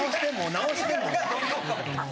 直してもう。